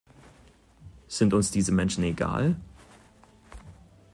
Sind uns diese Menschen egal?